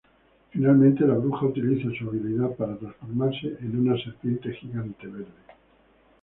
Finalmente la bruja utiliza su habilidad para transformarse en una serpiente gigante verde.